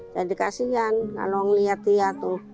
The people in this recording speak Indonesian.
jadi kasian kalau melihat dia